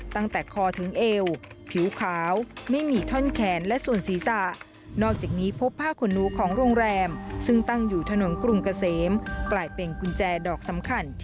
ตั้งแต่คอถึงเอวผิวขาวไม่มีท่อนแขนและส่วนศีรษะ